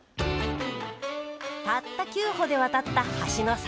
たった９歩で渡った橋の先。